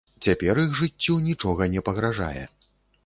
Цяпер іх жыццю нічога не пагражае.